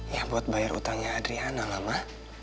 ya buat bayar utangnya adriana lah ma